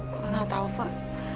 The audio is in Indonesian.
gue gak tau fak